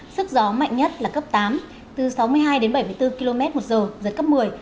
sức gió mạnh nhất là cấp tám từ sáu mươi hai đến bảy mươi bốn km một giờ giật cấp một mươi